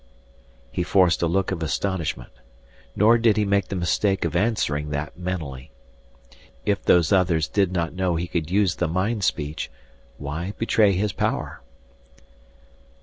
He forced a look of astonishment. Nor did he make the mistake of answering that mentally. If Those Others did not know he could use the mind speech, why betray his power?